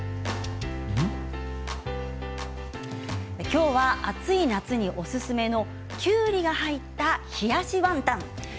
きょうは暑い夏におすすめのきゅうりが入った冷やしワンタン。